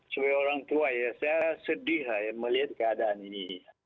buya orang tua saya sedih melihat keadaan ini